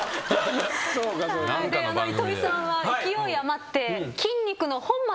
糸井さんは勢い余って。